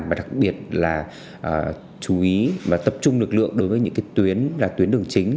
và đặc biệt là chú ý và tập trung lực lượng đối với những tuyến đường chính